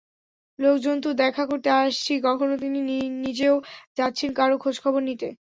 লোকজন তো দেখা করতে আসছেই, কখনো তিনি নিজেও যাচ্ছেন কারও খোঁজখবর নিতে।